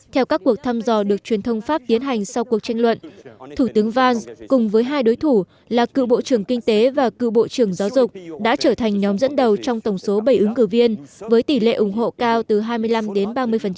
theo các cuộc thăm dò được truyền thông pháp tiến hành sau cuộc tranh luận thủ tướng vans cùng với hai đối thủ là cựu bộ trưởng kinh tế và cựu bộ trưởng giáo dục đã trở thành nhóm dẫn đầu trong tổng số bảy ứng cử viên với tỷ lệ ủng hộ cao từ hai mươi năm đến ba mươi